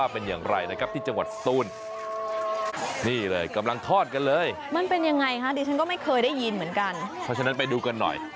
เพราะฉะนั้นไปดูกันหน่อย